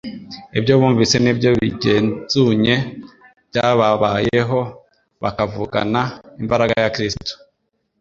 ibyo bumvise n'ibyo bigenzunye byababayeho; bakavugana imbaraga ya Kristo.